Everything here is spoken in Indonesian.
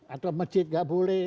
atau masjid tidak boleh